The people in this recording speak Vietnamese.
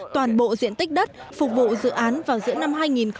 toàn bộ diện tích đất phục vụ dự án vào giữa năm hai nghìn hai mươi